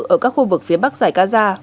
ở các khu vực phía bắc giải gaza